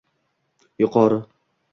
Yuqori